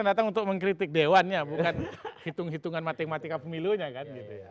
bukan datang untuk mengkritik dewan ya bukan hitung hitungan matematika pemilunya kan